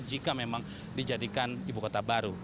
jika memang dijadikan ibu kota baru